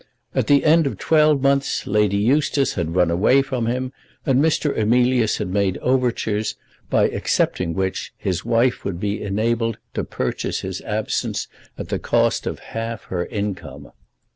At the end of twelve months Lady Eustace had run away from him, and Mr. Emilius had made overtures, by accepting which his wife would be enabled to purchase his absence at the cost of half her income.